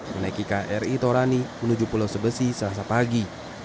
menaiki kri torani menuju pulau sebesi selasa pagi